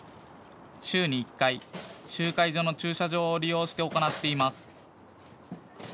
週に１回、集会所の駐車場を利用して行っています。